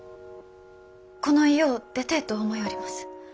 この家を出てえと思ようります。